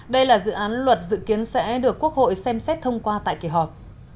đây là dự án luật dự kiến sẽ được quốc hội xem xét thông qua tại kỳ họp